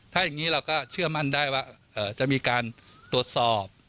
ถ้าอย่างนี้เราก็เชื่อมั่นได้ว่าจะมีการตรวจสอบ